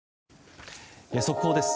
速報です。